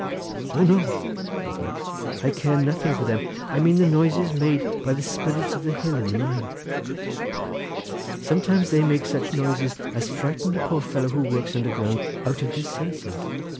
"O no!" said he; "I care nothing for them, I mean the noises made by the spirits of the hill in the mine. Sometimes they make such noises as frighten the poor fellow who works underground out of his senses.